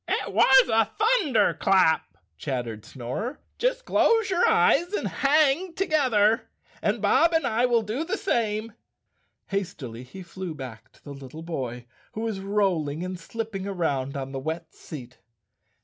"It was a thunderclap," chattered Snorer. "Just close your eyes and hang together, and Bob and I will 191 The Cowardly Lion of Oz _ do the same." Hastily he flew back to the little boy, who was rolling and slipping around on the wet seat.